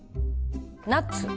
「ナッツ」